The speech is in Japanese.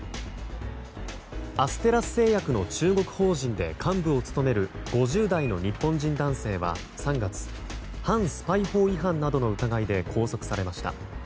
アステラス製薬の中国法人で幹部を務める５０代の日本人男性は３月反スパイ法違反などの疑いで拘束されました。